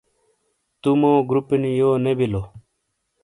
تو مو گروپی نی یو نی بیلو